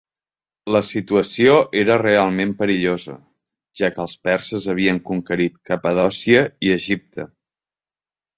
La situació era realment perillosa, ja que els perses havien conquerit Capadòcia i Egipte.